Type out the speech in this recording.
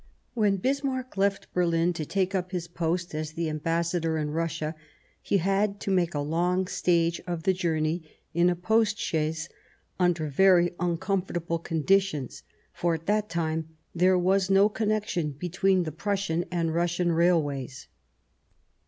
When Bismarck left Berlin to take up his post as Ambassador in Russia, he had to make a long stage of the journey in a post chaise under in^Sa °^ very uncomfortable conditions, for at that time there was no connection between the Prussian and Russian railways.